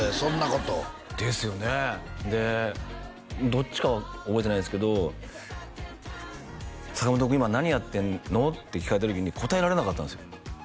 どっちかは覚えてないんですけど坂本君今何やってんの？って聞かれた時に答えられなかったんですよ